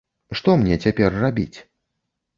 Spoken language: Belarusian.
Што мне цяпер рабіць?